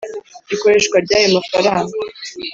Ikoreshwa ry ayo mafaranga